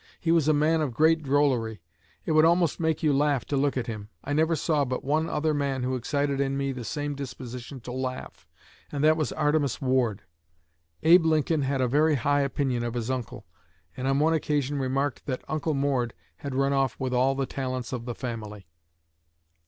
"He was a man of great drollery. It would almost make you laugh to look at him. I never saw but one other man who excited in me the same disposition to laugh, and that was Artemus Ward. Abe Lincoln had a very high opinion of his uncle, and on one occasion remarked that Uncle Mord had run off with all the talents of the family."